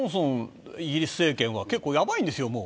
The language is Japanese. イギリス政権は結構やばいんですよ。